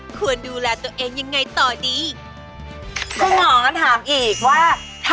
โรงพยาบาลพญาไทย๔